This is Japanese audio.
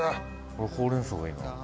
俺ほうれんそうがいいな。